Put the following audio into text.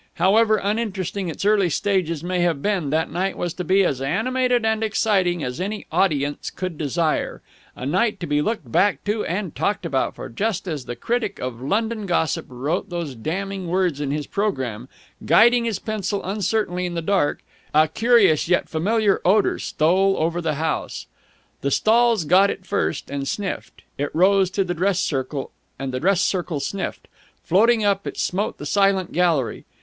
However uninteresting its early stages may have been that night was to be as animated and exciting as any audience could desire a night to be looked back to and talked about, for just as the critic of London Gossip wrote those damning words on his programme, guiding his pencil uncertainly in the dark, a curious yet familiar odour stole over the house. The stalls got it first, and sniffed. It rose to the dress circle, and the dress circle sniffed. Floating up, it smote the silent gallery.